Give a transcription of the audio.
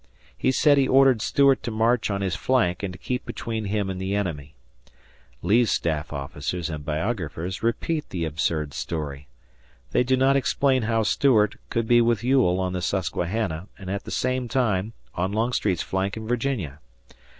He said he ordered Stuart to march on his flank and to keep between him and the enemy; Lee's staff officers and biographers repeat the absurd story. They do not explain how Stuart could be with Ewell on the Susquehanna and, at the same time, on Longstreet's flank in Virginia.